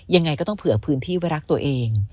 ยังไงก็ต้องเผื่อพื้นที่ไว้รักตัวเอง